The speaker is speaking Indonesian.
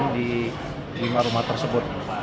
di lima rumah tersebut